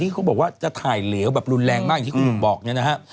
เขาบอกว่าจะถ่ายเหลวแบบรุนแรงมากอย่างที่คุณหนุ่มบอกเนี่ยนะฮะ